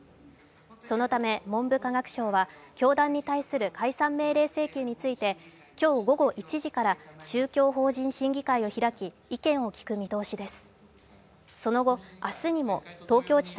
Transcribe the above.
そのため文部科学省は教団に対する解散命令請求について今日午後１時から宗教法人審議会を開き意見を聞く見通しです。